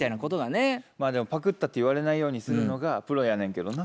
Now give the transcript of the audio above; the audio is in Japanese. でもパクったって言われないようにするのがプロやねんけどな。